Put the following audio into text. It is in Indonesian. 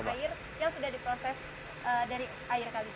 saya akan coba untuk minum air yang sudah diproses dari air kali tadi